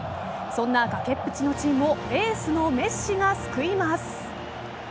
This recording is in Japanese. そんな崖っぷちのチームをエースのメッシが救います。